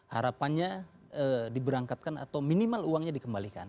harapannya diberangkatkan atau minimal uangnya dikembalikan